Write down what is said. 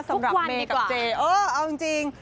สำหรับเมย์กับเจ๊เออเอาจริง